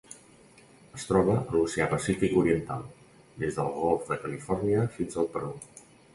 Es troba a l'Oceà Pacífic oriental: des del Golf de Califòrnia fins al Perú.